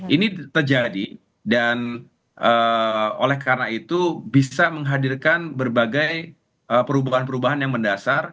ini terjadi dan oleh karena itu bisa menghadirkan berbagai perubahan perubahan yang mendasar